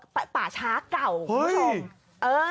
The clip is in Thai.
ป่าช้าเก่าคุณผู้ชม